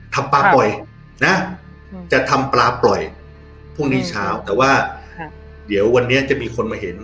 ทำปลาปล่อยนะจะทำปลาปล่อยพรุ่งนี้เช้าแต่ว่าเดี๋ยววันนี้จะมีคนมาเห็น